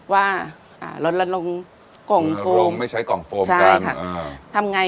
ว่าลนลงกล่องโฟม